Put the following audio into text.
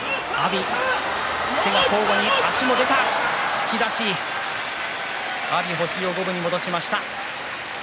突き出し阿炎、星を五分に戻しました。